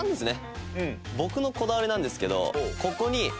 僕のこだわりなんですけどここに。